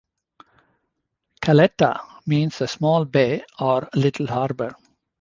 Caletta means a small bay or little harbour.